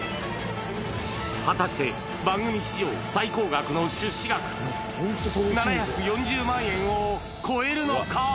果たして番組史上最高額の出資額７４０万円を超えるのか？